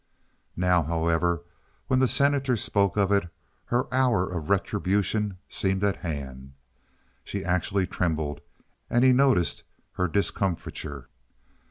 Now, however, when the Senator spoke of it, her hour of retribution seemed at hand. She actually trembled, and he noticed her discomfiture.